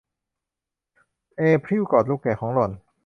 เอพริลกอดลูกแกะของหล่อน